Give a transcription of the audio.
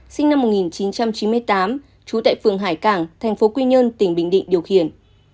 sinh năm một nghìn chín trăm chín mươi tám trú tại phường hải cảng thành phố quy nhơn tỉnh bình định điều khiển